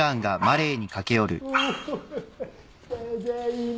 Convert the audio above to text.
ただいま。